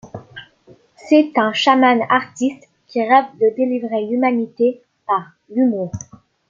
C'est un shaman artiste qui rêve de délivrer l'humanité par l'humour.